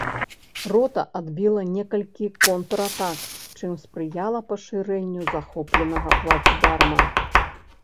Рота адбіла некалькі контратак, чым спрыяла пашырэнню захопленага плацдарма.